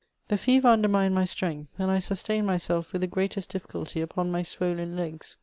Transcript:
The fever undermined my strength, and I sustained myself with the greatest difficulty upon my swollen legs.